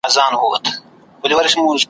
پر پچه وختی کشمیر یې ولیدی ,